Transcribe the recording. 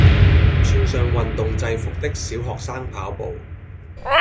穿上運動制服的小學生跑步